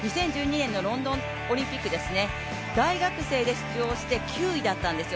ロンドンオリンピック大学生で出場して９位だったんですよ。